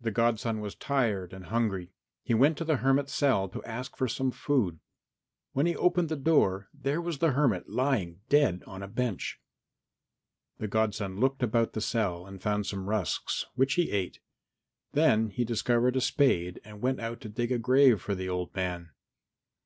The godson was tired and hungry. He went to the hermit's cell to ask for some food. When he opened the door there was the hermit lying dead on a bench. The godson looked about the cell and found some rusks, which he ate; then he discovered a spade and went out to dig a grave for the old man.